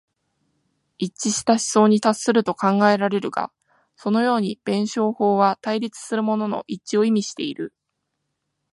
一致した思想に達すると考えられるが、そのように弁証法は対立するものの一致を意味している。